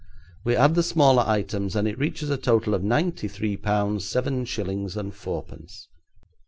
We add the smaller items and it reaches a total of ninety three pounds seven shillings and fourpence.